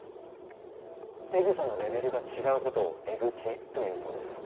エグさのレベルが違う事を「エグち」と言うそうです。